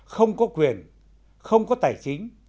không có quyền không có tài chính